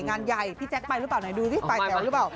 งานใหญ่พี่แจ๊คไปหรือเปล่าไหนดูสิไปแถวหรือเปล่า